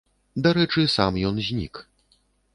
Дарэчы, сам ён знік.